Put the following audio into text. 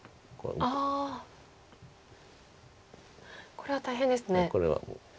これは大変ですね。